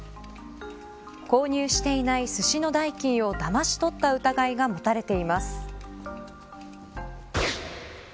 購入していない、すしの代金をだまし取った疑いが持たれています。